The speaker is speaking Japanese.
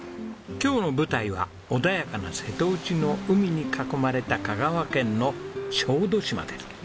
今日の舞台は穏やかな瀬戸内の海に囲まれた香川県の小豆島です。